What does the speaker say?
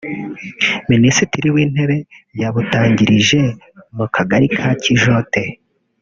Minisitiri w’Intebe yabutangirije mu Kagari ka Kijote